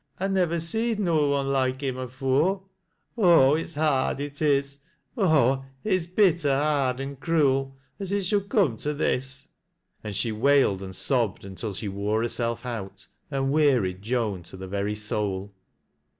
I niv^er seed no one loike him afore 60 TOAT LA88 0' LOWBlMl'S Oh ! it's hard, it is. — Oh I it's bitter hard an' sruel. aa i| should come to this." And she wailed and sobbed until she wore herself out, and wearied Joan to the very soul.